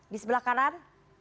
di sebelah kanan